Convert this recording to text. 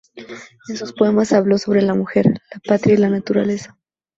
En sus poemas habló sobre la mujer, la patria y la naturaleza.